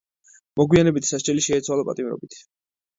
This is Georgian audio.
მოგვიანებით სასჯელი შეეცვალა პატიმრობით.